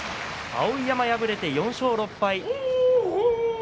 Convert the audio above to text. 碧山敗れて４勝６敗。